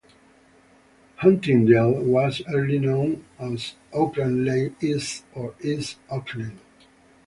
Huntingdale was earlier known as Oakleigh East or East Oakleigh.